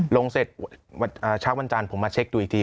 ลงเสร็จเช้าวันจันทร์ผมมาเช็คดูอีกที